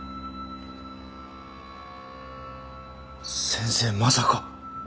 先生まさか。